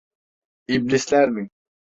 İblisler mi?